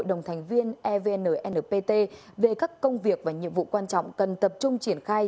hội đồng thành viên evnnpt về các công việc và nhiệm vụ quan trọng cần tập trung triển khai